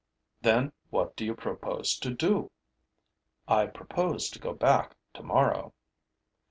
'Then what do you propose to do?' 'I propose to go back tomorrow.